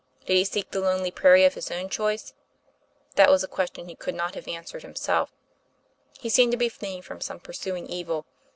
Did he seek the lonely prairie of his own choice ? That was a question he could not have answered himself. He seemed to be fleeing from some pursuing evil.